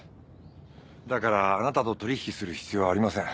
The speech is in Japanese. だからあなたと取引する必要はありません。